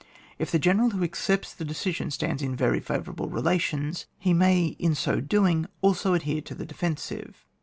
If the general who accepts the decision stands in very favourable rela tions, he may in so doing also adhere to the defensive.